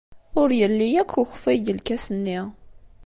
Ur yelli akk ukeffay deg lkas-nni.